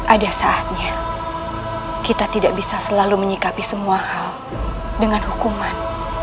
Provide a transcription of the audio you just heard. ada saatnya kita tidak bisa selalu menyikapi semua hal dengan hukuman